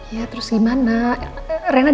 ya terus gimana